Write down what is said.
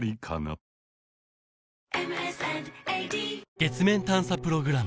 月面探査プログラム